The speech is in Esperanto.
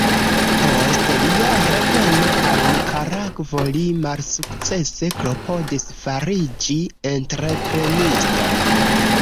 Post lia reveno al Nikaragvo li malsukcese klopodis fariĝi entreprenisto.